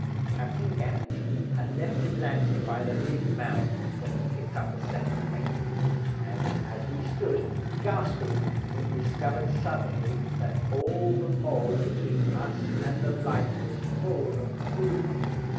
Captain Gannington had left his lantern by the big mound when he picked up the second mate; and as we stood, gasping we discovered suddenly that all the mould between us and the light was full of movement.